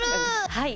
はい。